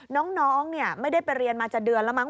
น้องไม่ได้ไปเรียนมาจะเดือนแล้วมั้